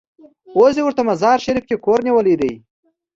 اوس یې ورته مزار شریف کې کور نیولی دی.